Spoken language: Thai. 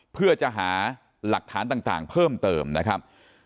เพื่อจะหาหลักฐานต่างเพิ่มเติมนะครับ